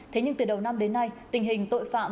thế nhưng từ đầu năm đến nay tình hình tội phạm